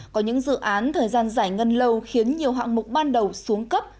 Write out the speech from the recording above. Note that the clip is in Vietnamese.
có những dự án thời gian giải ngân lâu khiến nhiều hạng mục ban đầu xuống cấp